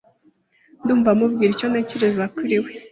Ndumva mubwira icyo ntekereza kuri we.